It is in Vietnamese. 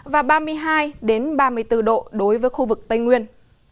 và ba mươi hai ba mươi bốn độ đối với khu vực tây nguyên